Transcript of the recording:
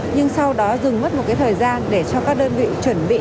nhưng sau đó dừng mất một cái thời gian để cho các đơn vị chuẩn bị